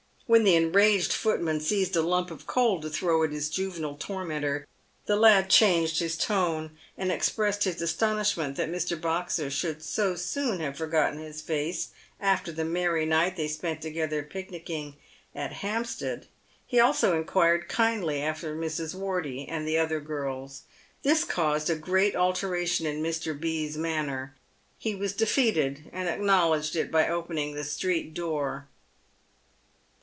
When the enraged footman seized a lump of coal to throw at his juvenile tormentor, the lad changed his tone, and expressed his astonishment that Mr. Boxer should so soon have forgotten his face after the merry night they spent together picnicking at Hampstead. He also inquired kindly after Mrs. Wortey and the girls. This caused a great alteration in Mr. B.'s manner. He was defeated, and acknowledged it by open ing the street door.